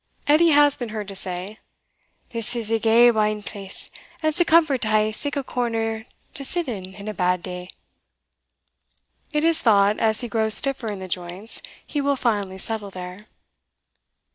Edie has been heard to say, "This is a gey bein place, and it's a comfort to hae sic a corner to sit in in a bad day." It is thought, as he grows stiffer in the joints, he will finally settle there.